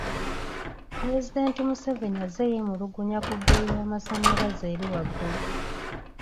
Pulezidenti Museveni azze yeemulugunya ku bbeeyi y’amasannyalaze eri waggulu.